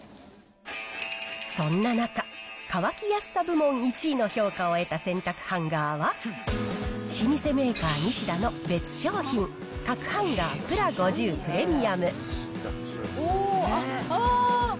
そんな中、乾きやすさ部門１位の評価を得た洗濯ハンガーは、老舗メーカー、ニシダの別商品、おー、あー！